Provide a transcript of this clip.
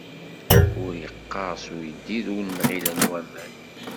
Ur iqqeṛṣ uyeddid, ur nɣilen waman.